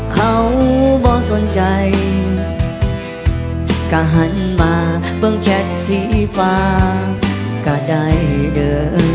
เขาบอกสนใจก็หันมาเบื้องแชทสีฟ้าก็ได้เดิน